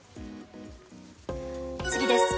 次です。